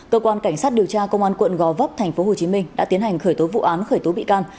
cơ quan cảnh sát điều tra công an quận gò vấp tp hcm đã tiến hành khởi tố vụ án khởi tố bị can